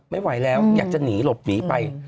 ไม่ไหวแล้วอยากจะหนีหลบหนีไป